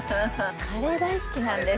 カレー大好きなんです。